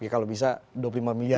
kalau bisa dua puluh lima miliar